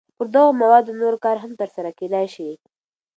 پر دغو موادو نور کار هم تر سره کېدای شي.